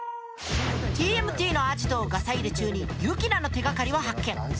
ＴＭＴのアジトをガサ入れ中にユキナの手がかりを発見。